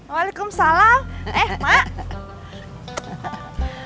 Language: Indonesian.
waalaikumsalam eh mak